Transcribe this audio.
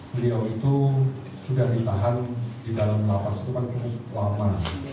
beliau itu sudah ditahan di dalam lapas itu kan cukup lama